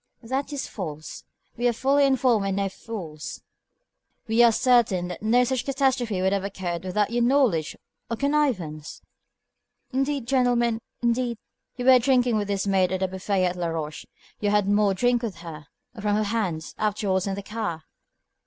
"That is false. We are fully informed and no fools. We are certain that no such catastrophe could have occurred without your knowledge or connivance." "Indeed, gentlemen, indeed " "You were drinking with this maid at the buffet at Laroche. You had more drink with her, or from her hands, afterwards in the car."